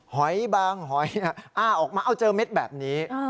หอยบางหอยอ้าออกมาเอาเจอเม็ดแบบนี้